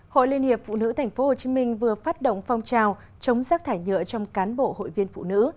hội liên hiệp phụ nữ tp hcm vừa phát động phong trào chống rác thải nhựa trong cán bộ hội viên phụ nữ